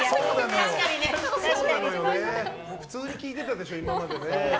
普通に聴いてたでしょ今までね。